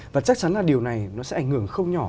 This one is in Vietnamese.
và chắc chắn là điều này nó sẽ ảnh hưởng không nhỏ